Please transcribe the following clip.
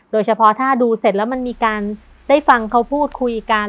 โดยเฉพาะถ้าดูเสร็จแล้วมันมีการได้ฟังเขาพูดคุยกัน